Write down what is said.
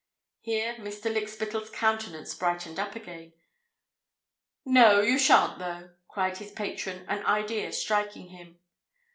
Here Mr. Lykspittal's countenance brightened up again. "No—you shan't, though," cried his patron, an idea striking him.